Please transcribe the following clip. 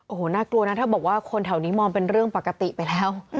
โอ้โหน่ากลัวนะถ้าบอกว่าคนแถวนี้มองเป็นเรื่องปกติไปแล้ว